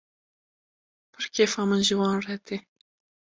Pir kêfa min ji wan re tê.